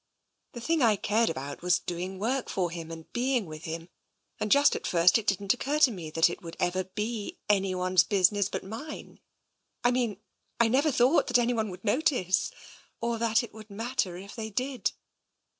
... The thing I cared about was doing work for him, and being with him, and just at first it didn't occur to me that it would ever be anyone's business but mine. I mean, I never thought that anyone would notice, or that it would matter if they did."